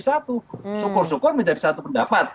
satu syukur syukur menjadi satu pendapat